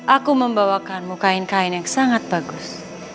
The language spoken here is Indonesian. aku membawakanmu kain kain yang sangat bagus